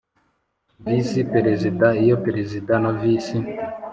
Visi Perezida Iyo Perezida na visi